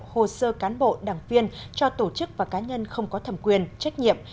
hồ sơ cán bộ đảng viên cho tổ chức và cá nhân không có thẩm quyền trách nhiệm